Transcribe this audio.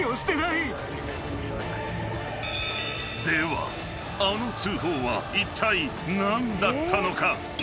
［ではあの通報はいったい何だったのか？］